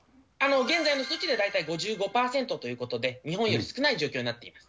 現在の数値で５５％ということで、日本より少ない状況になっています。